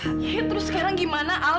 akhirnya terus sekarang gimana al